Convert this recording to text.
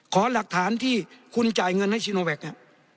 ขอหลักฐานที่คุณจ่ายเงินให้จิตรพรน่ะ